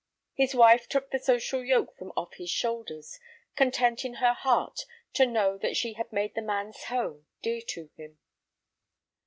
His wife took the social yoke from off his shoulders, content in her heart to know that she had made the man's home dear to him.